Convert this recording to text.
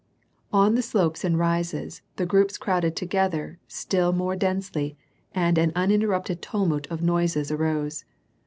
On the slopes and rises, the groups crowded together still more densely, and an uninterrupted tumult of noises arose.